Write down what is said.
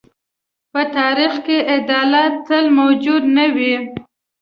په تاریخ کې عدالت تل موجود نه و.